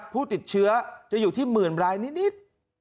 ผู้ติดเชื้อจะอยู่ที่หมื่นรายนิด